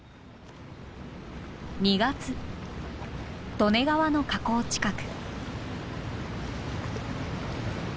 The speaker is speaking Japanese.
利根川の河口近く。